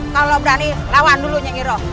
kalau lo berani lawan dulu nyingiro